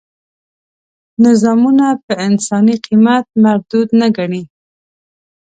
نظامونه په انساني قیمت مردود نه ګڼي.